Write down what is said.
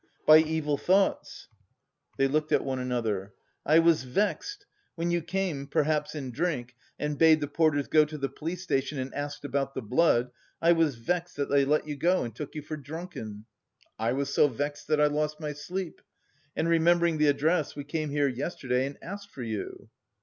"By evil thoughts." They looked at one another. "I was vexed. When you came, perhaps in drink, and bade the porters go to the police station and asked about the blood, I was vexed that they let you go and took you for drunken. I was so vexed that I lost my sleep. And remembering the address we came here yesterday and asked for you...."